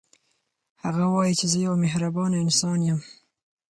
هغه وايي چې زه یو مهربانه انسان یم